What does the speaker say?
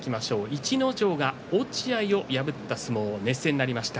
逸ノ城の落合を破った相撲熱戦でした。